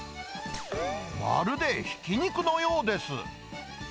まるでひき肉のようです。